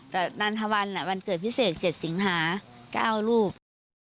แต่นานธวรรณวันเกิดพิเศษ๗สิงหา๙ลูก